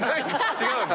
違うんだ。